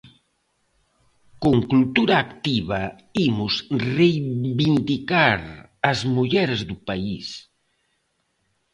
Con Culturactiva imos reivindicar as mulleres do país.